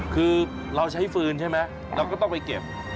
คือเราใช้ฟืนใช่ไหมเราก็ต้องไปเก็บ